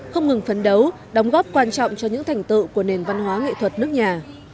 không ngừng phấn đấu đóng góp quan trọng cho những thành tựu của nền văn hóa nghệ thuật nước nhà